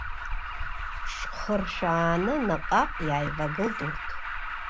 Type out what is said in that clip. Рҽхыршәааны наҟ-ааҟ иааивагылт урҭ.